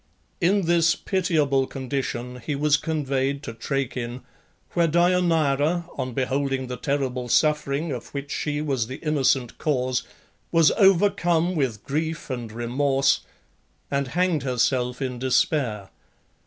In this pitiable condition he was conveyed to Trachin, where Deianeira, on beholding the terrible suffering of which she was the innocent cause, was overcome with grief and remorse, and hanged herself in despair.